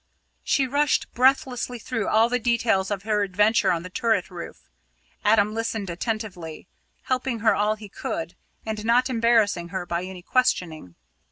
She rushed breathlessly through all the details of her adventure on the turret roof. Adam listened attentively, helping her all he could, and not embarrassing her by any questioning.